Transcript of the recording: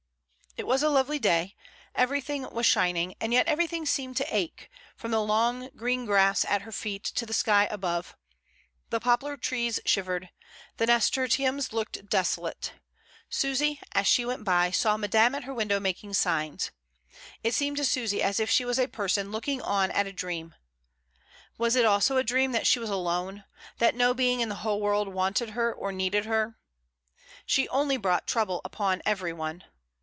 It was a lovely day; everything was shining, and yet everything seemed to ache, from the long, green grass at her feet to the sky above; the poplar trees shivered; the nasturtiums looked desolate. Susy, as she went by, saw Madame at her window AFTERWARDS. 121 making signs. It seemed to Susy as if she was a person looking on at a dream. Was it also a dream that she was alone — that no being in the whole world wanted her or needed her? She only brought trouble upon every one.